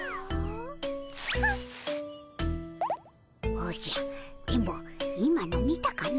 おじゃ電ボ今の見たかの。